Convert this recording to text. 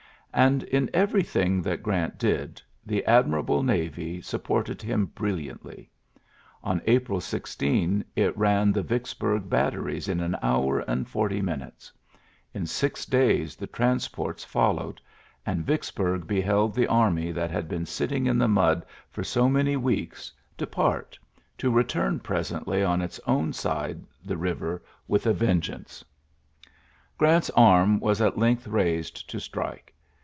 in everything that Grant did, the rable navy supported him brill On April 16 it ran the Vicksbu] teries in an hour and forty minut six days the transports foUowec Vicksburg beheld the army thi been sitting in the mud for so weeks depart, to return presently own side the river with a vengeai ULYSSES S. GEANT 75 Grant's arm was at length raised to strike.